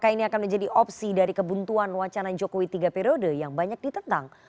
ini akan menjadi opsi dari kebuntuan wacana jokowi tiga periode yang banyak ditentang